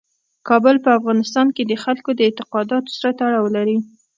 کابل په افغانستان کې د خلکو د اعتقاداتو سره تړاو لري.